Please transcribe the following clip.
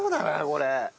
これ。